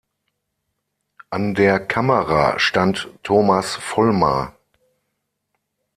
An der Kamera stand Thomas Vollmar.